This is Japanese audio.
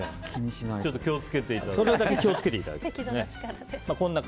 ちょっと、気を付けていただいて。